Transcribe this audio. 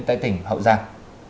tại tỉnh hậu giang